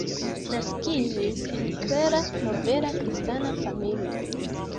Naskiĝis en klera nobela kristana familio.